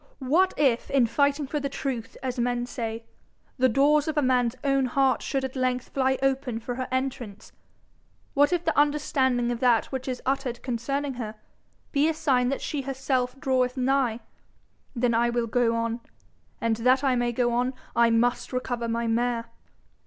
What if, in fighting for the truth as men say, the doors of a man's own heart should at length fly open for her entrance! What if the understanding of that which is uttered concerning her, be a sign that she herself draweth nigh! Then I will go on. And that I may go on, I must recover my mare.'